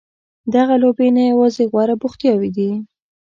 دغه لوبې نه یوازې غوره بوختیاوې دي.